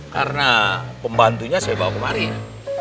karena pembantunya saya bawa kemarin